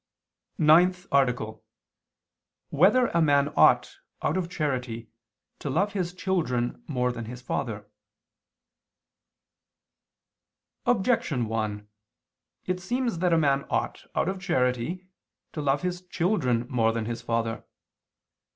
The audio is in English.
_______________________ NINTH ARTICLE [II II, Q. 26, Art. 9] Whether a Man Ought, Out of Charity, to Love His Children More Than His Father? Objection 1: It seems that a man ought, out of charity, to love his children more than his father.